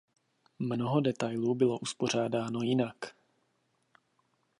Mnoho detailů bylo uspořádáno jinak.